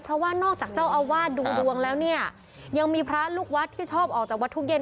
เพราะว่านอกจากเจ้าอาวาสดูดวงแล้วเนี่ยยังมีพระลูกวัดที่ชอบออกจากวัดทุกเย็น